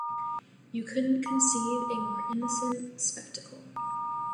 You couldn’t conceive a more innocent spectacle.